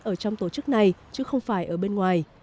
ở trong tổ chức này chứ không phải ở bên ngoài